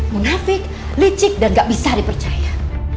munafik licik dan gak bisa dipercaya